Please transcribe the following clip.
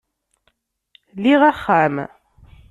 Liɣ axxam